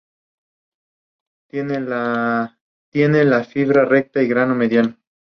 D. Fr.